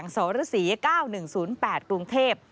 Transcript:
สรศรี๙๑๐๘กรุงเทพฯ